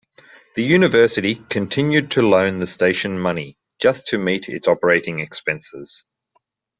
The University continued to loan the station money just to meet its operating expenses.